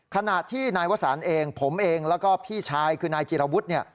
ขณะที่นายวสันเองผมเองแล้วก็พี่ชายคือนายจิรวุฒิเนี่ย